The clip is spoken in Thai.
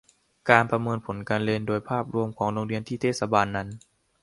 การประเมินผลการเรียนโดยภาพรวมของโรงเรียนที่เทศบาลนั้น